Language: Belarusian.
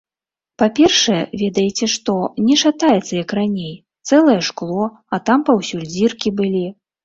Па-першае, ведаеце што, не шатаецца, як раней, цэлае шкло, а там паўсюль дзіркі былі.